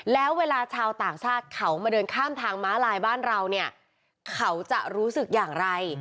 แล้วเวลาชาวต่างชาติเขามาเดินข้ามทางม้าลายบ้านเราเนี่ยเขาจะรู้สึกอย่างไร